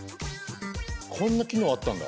こんな機能あったんだ。